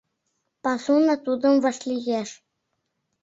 Пасуна тудым вашлиеш.